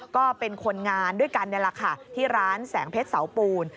ก็เป็นคนงานด้วยกันนี่แหละค่ะที่ร้านแสงเพชรเสาปูน